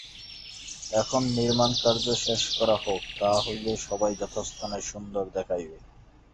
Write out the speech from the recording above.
এখন নির্মাণ-কার্য শেষ করা হউক, তাহা হইলে সবই যথাস্থানে সুন্দর দেখাইবে।